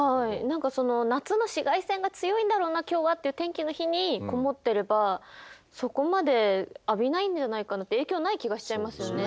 何か「夏の紫外線が強いんだろうな今日は」っていう天気の日にこもってればそこまで浴びないんじゃないかなって影響ない気がしちゃいますよね。